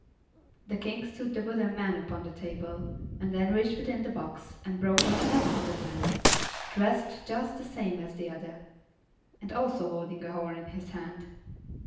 The King stood the wooden man upon the table and then reached within the box and brought out another wooden man, dressed just the same as the other, and also holding a horn in his hand.